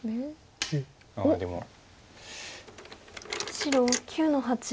白９の八。